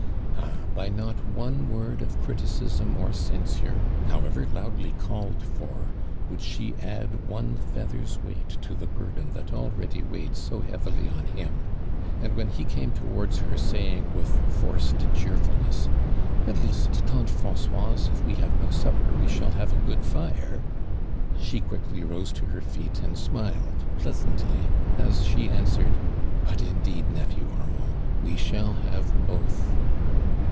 Ah, not b}' one word ofcritieisni or cen sure, however loudly i:alled for. would she add one feather's weight to the Innden that already weighed so lieavily on him, and when lie came towards her saying with forced cheerfulness :'• At least, tuntt Fran eoise, ifwe have no supper we sliall have a good lire,'" she quickly rost to lar feet !uid smiled pleiisantly, . ix she answered. *' But indeed, nephew .\rmiuid, wo shall have both!'